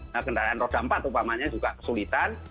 nah kendaraan roda empat upamanya juga kesulitan